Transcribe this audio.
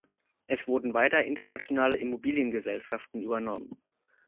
Es wurden weiter internationale Immobiliengesellschaften übernommen.